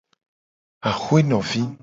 Axwenovi.